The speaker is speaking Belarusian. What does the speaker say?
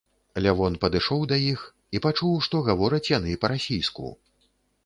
Лявон падышоў да іх і пачуў, што гавораць яны па-расійску.